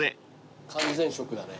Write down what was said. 完全食だね。